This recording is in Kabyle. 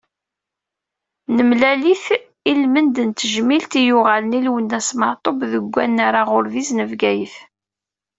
Nemlal-it i lmend n tejmilt i yuɣalen, i Lwennas Meɛtub, deg unnar aɣurbiz n Bgayet.